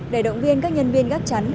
để động viên các nhân viên gác chắn